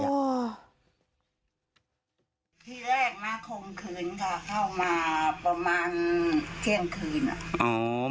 ที่แรกมาข่มขืนค่ะเข้ามาประมาณเที่ยงคืน